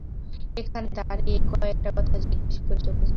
এখানে দাঁড়িয়েই কয়েকটা কথা জিজ্ঞেস করে চলে যাই।